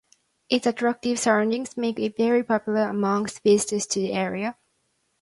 Its attractive surroundings make it very popular amongst visitors to the area.